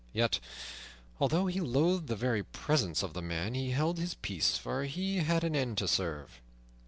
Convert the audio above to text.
Yet, although he loathed the very presence of the man, he held his peace, for he had an end to serve.